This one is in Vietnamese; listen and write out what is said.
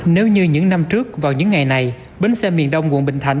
nếu như những năm trước vào những ngày này bến xe miền đông quận bình thạnh